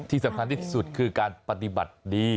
ที่สำคัญที่สุดคือการปฏิบัติดี